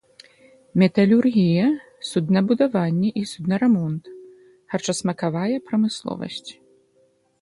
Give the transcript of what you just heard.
Металургія, суднабудаванне і суднарамонт, харчасмакавая прамысловасць.